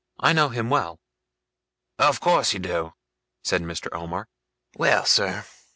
'I know him well.' 'Of course you do,' said Mr. Omer. 'Well, sir!